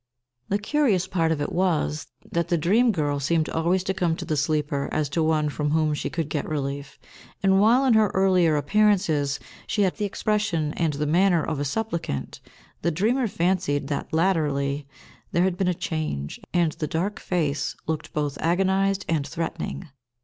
The curious part of it was, that the dream girl seemed always to come to the sleeper as to one from whom she could get relief; and while, in her earlier appearances, she had the expression and the manner of a supplicant, the dreamer fancied that latterly there had been a change, and the dark face looked both agonised and threatening.